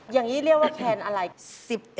อย่างนี้เรียกว่าแคนอะไร๑๐